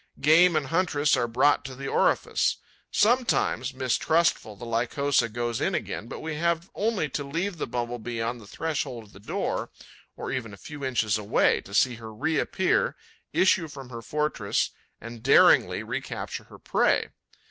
Game and huntress are brought to the orifice. Sometimes, mistrustful, the Lycosa goes in again; but we have only to leave the Bumble bee on the threshold of the door, or even a few inches away, to see her reappear, issue from her fortress and daringly recapture her prey.